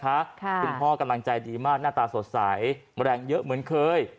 คุณพ่อกำลังใจดีมากหน้าตาสดใสแรงเยอะเหมือนเคย